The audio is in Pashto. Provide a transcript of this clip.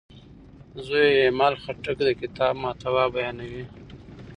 زوی یې ایمل خټک د کتاب محتوا بیانوي.